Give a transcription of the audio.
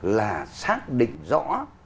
là xác định rõ